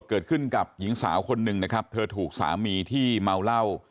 เกิดขึ้นกับหญิงสาวคนหนึ่งนะครับเธอถูกสามีที่เมาเหล้า